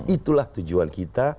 itulah tujuan kita